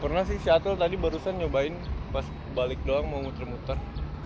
pernah sih shuttle tadi barusan nyobain pas balik doang mau muter muter